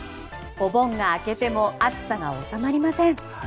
お盆が明けても暑さが収まりません。